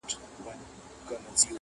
سل او شپېته کلونه!